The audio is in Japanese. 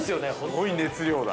◆すごい熱量だ。